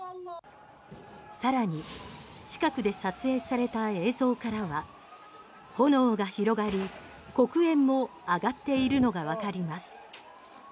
さらに近くで撮影された映像からは炎が広がり黒煙も上がっているのがわかります。